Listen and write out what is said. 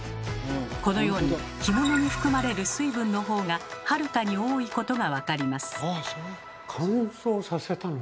このように干物に含まれる水分の方がはるかに多いことがわかります。